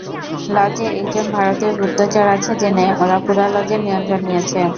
লজে একজন ভারতীয় গুপ্তচর আছে জেনে ওরা পুরো লজের নিয়ন্ত্রণ নিয়েছে।